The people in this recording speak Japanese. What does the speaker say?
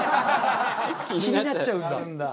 気になっちゃうんだ。